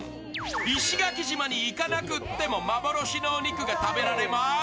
石垣島に行かなくても幻のお肉が食べられまーす。